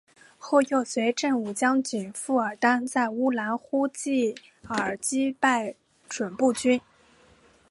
后又随振武将军傅尔丹在乌兰呼济尔击败准部军。